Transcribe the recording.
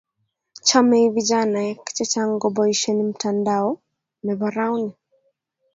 chome vijanaek chechang koboishen mtandaoo nebo rauni